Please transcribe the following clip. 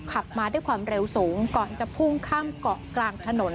ขับมาด้วยความเร็วสูงก่อนจะพุ่งข้ามเกาะกลางถนน